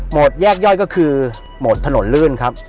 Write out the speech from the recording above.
แยกย่อยก็คือหมดถนนลื่นครับ